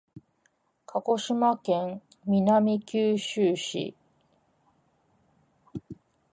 鹿児島県南九州市